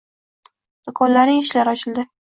Do'konlarning eshiklari ochildi.